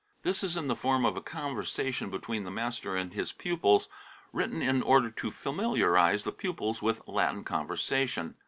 * This is in the form of a conversation between the master and his pupils, written in order to familiarise the pupils with Latin conversation.